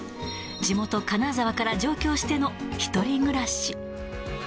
地元、金沢から上京しての１人暮らし。